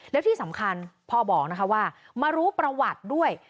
แล้วที่สำคัญพอบอกนะคะว่ามารู้ประวัติด้วย